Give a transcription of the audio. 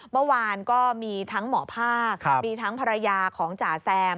เมื่อวานก็มีทั้งหมอภาคมีทั้งภรรยาของจ่าแซม